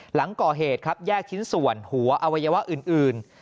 หลังก่อเหตุครับแยกชิ้นส่วนหัวอวัยวะอื่น